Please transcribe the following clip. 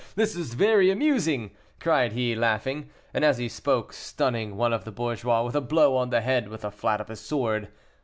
this is very amusing!" cried he, laughing, and as he spoke stunning one of the bourgeois with a blow on the head with the flat of his sword.